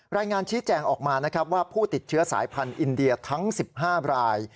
รายงานชี้แจงออกมานะครับว่าผู้ติดเชื้อสายพันธุ์อินเดียทั้ง๑๕ราย